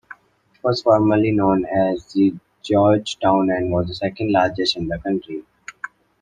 It was formerly known as Georgetown and was the second largest in the country.